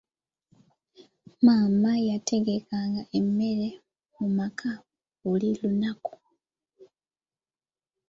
Maama y'ategekanga emmere mu maka buli lunaku.